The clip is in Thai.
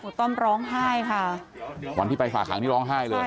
ต้อมร้องไห้ค่ะวันที่ไปฝากหางนี่ร้องไห้เลย